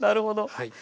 はい。